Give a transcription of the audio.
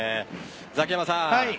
ザキヤマさん